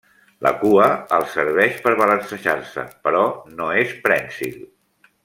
La cua els serveix per balancejar-se però no és prènsil.